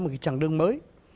một cái trạng đường mới